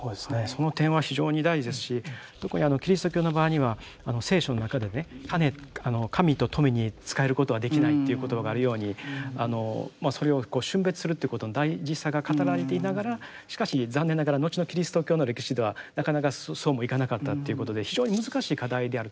その点は非常に大事ですし特にキリスト教の場合には聖書の中でね神と富に仕えることはできないという言葉があるようにそれを峻別するってことの大事さが語られていながらしかし残念ながら後のキリスト教の歴史ではなかなかそうもいかなかったということで非常に難しい課題であるとは思うんですよね。